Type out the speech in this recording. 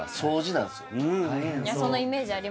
そのイメージあります。